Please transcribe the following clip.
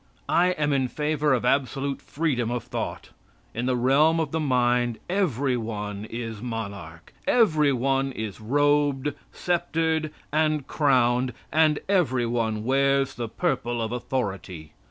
I am in favor of absolute freedom of thought. In the realm of the mind every one is monarch. Every one is robed, sceptered, and crowned, and every one wears the purple of authority.